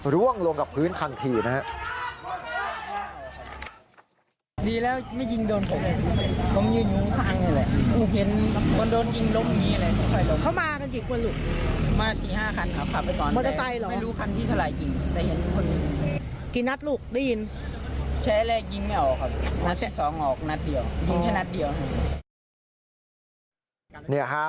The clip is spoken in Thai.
ร่วงลงกับพื้นทันทีนะครับ